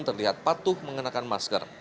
terlihat patuh mengenakan masker